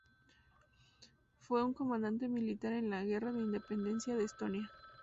Fue un comandante militar en la Guerra de Independencia de Estonia.